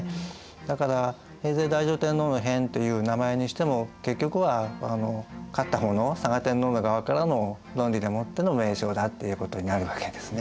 だから平城太上天皇の変という名前にしても結局は勝った方の嵯峨天皇の側からの論理でもっての名称だっていうことになるわけですね。